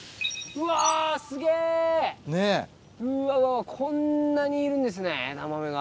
うわわこんなにいるんですねエダマメが。